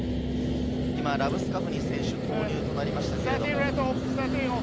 ラブスカフニ選手投入となりましたけれども。